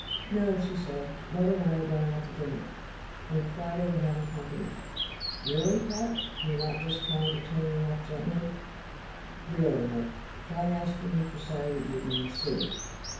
"No," she said. "Mother and I are going out to dinner. And Friday we're having company." "Really, Pat? You're not just trying to turn me off gently." "Really, Nick. Try asking me for Saturday evening and see!"